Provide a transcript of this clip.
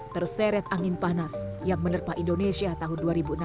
terseret angin panas yang menerpa indonesia tahun dua ribu enam belas